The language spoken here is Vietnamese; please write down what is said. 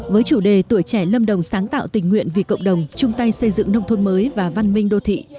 với chủ đề tuổi trẻ lâm đồng sáng tạo tình nguyện vì cộng đồng chung tay xây dựng nông thôn mới và văn minh đô thị